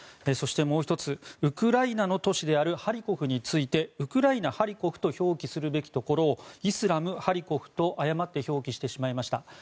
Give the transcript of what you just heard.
そして、もう１つウクライナの都市であるハリコフについてウクライナ・ハリコフと表記するべきところをイスラム・ハリコフと誤って表記してしまいました。